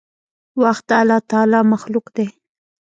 وخت د الله تعالي مخلوق دی.